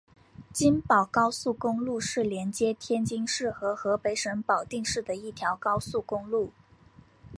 津保高速公路是连接天津市和河北省保定市的一条高速公路。